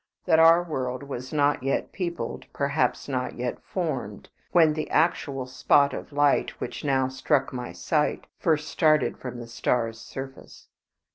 That our world was not yet peopled, perhaps not yet formed, when the actual spot of light which now struck my sight first started from the star's surface!